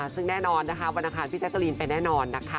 ซึ่งแน่นอนนะคะวันอังคารพี่แจ๊กกะลีนไปแน่นอนนะคะ